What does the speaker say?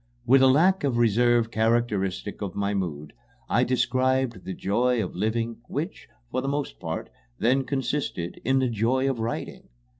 With a lack of reserve characteristic of my mood, I described the joy of living, which, for the most part, then consisted in the joy of writing.